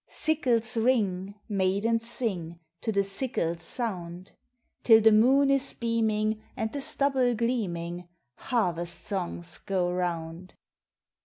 Sickles ring, Maidens sing To the sickle's sound; Till the moon is beaming, And the stubble gleaming, Harvest songs go round.